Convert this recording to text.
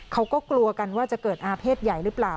เขาก็กลัวกันว่าจะเกิดอาเภษใหญ่หรือเปล่า